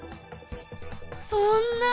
そんな。